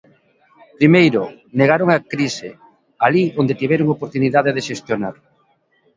Primeiro, negaron a crise alí onde tiveron oportunidade de xestionar.